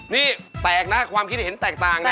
นี่แตกนะความคิดเห็นแตกต่างนะ